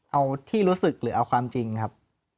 เอาที่รู้สึกหรือเอาความจริงครับ